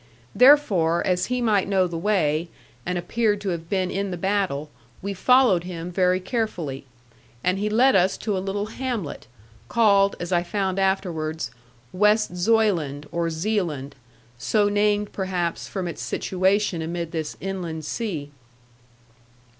Therefore, as he might know the way, and appeared to have been in the battle, we followed him very carefully; and he led us to a little hamlet, called (as I found afterwards) West Zuyland, or Zealand, so named perhaps from its situation amid this inland sea.